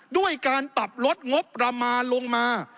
ด้วยการปรับลดงบประมาณลงมา